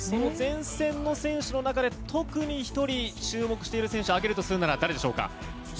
前線の選手の中で特に１人注目している選手を挙げるとすれば誰でしょうか。